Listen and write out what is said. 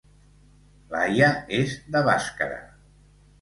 Laia és de Bàscara